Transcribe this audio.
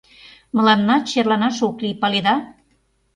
— Мыланна черланаш ок лий, паледа?